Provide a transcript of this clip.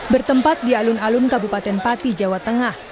bertempat di alun alun kabupaten pati jawa tengah